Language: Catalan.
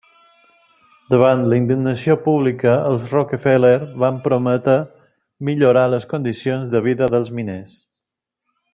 Davant la indignació pública, els Rockefeller van prometre millorar les condicions de vida dels miners.